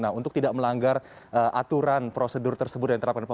nah untuk tidak melanggar aturan prosedur tersebut yang terapkan